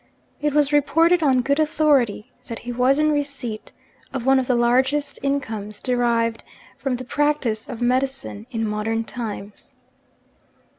It was reported on good authority that he was in receipt of one of the largest incomes derived from the practice of medicine in modern times.